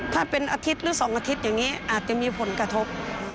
ถ้าเป็นอาทิตย์หรือ๒อาทิตย์อย่างนี้อาจจะมีผลกระทบ